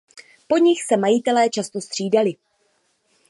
Po nich se majitelé často střídali.